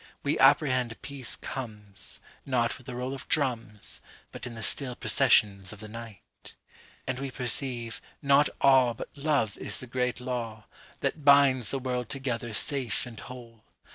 We apprehend peace comesNot with the roll of drums, But in the still processions of the night. And we perceive, not aweBut love is the great lawThat binds the world together safe and whole.